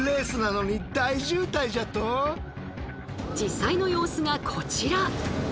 実際の様子がこちら。